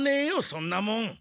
そんなもん。